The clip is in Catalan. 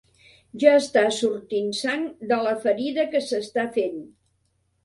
Ja està sortint sang de la ferida que s'està fent.